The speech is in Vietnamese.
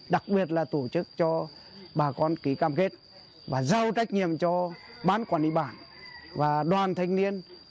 đặc biệt là tổ chức cho bà con ký cam kết và giao trách nhiệm cho bán quản lý bản và đoàn thanh niên